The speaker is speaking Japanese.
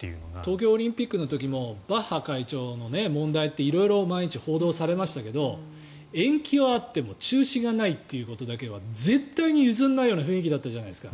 東京オリンピックの時もバッハ会長の問題って色々、毎日報道されましたけど延期はあっても中止がないということだけは絶対に譲らないような雰囲気だったじゃないですか。